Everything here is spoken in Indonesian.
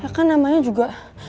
ya kan namanya juga